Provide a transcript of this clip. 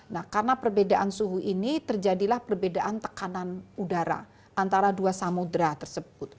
nah karena perbedaan suhu ini terjadilah perbedaan tekanan udara antara dua samudera tersebut